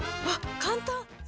わっ簡単！